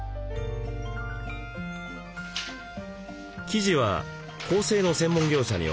生地は縫製の専門業者に送り